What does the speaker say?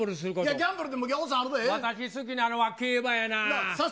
ギャンブルでもぎょうさんあ私、好きなのは競馬やな。